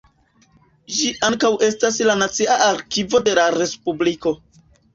Ĝi ankaŭ estas la nacia arkivo de la respubliko.